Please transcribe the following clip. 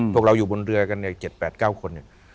พวกเราอยู่บนเรือกันเนี่ย๗๘๙คนเนี่ย